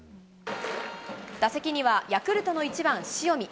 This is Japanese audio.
打席には、ヤクルトの１番塩見。